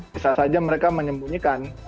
bisa saja mereka menyembunyikan